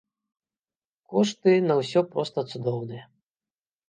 Кошты на ўсё проста цудоўныя.